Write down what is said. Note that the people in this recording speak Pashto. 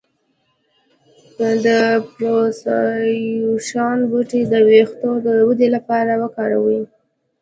د پرسیاوشان بوټی د ویښتو د ودې لپاره وکاروئ